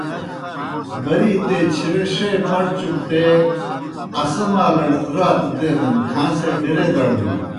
بَرِیتے چِھرݜے پٹ چُکٹے اسہ مالڑ راتَ دینَن کھاں سے ڈیرے دڑ بِی۔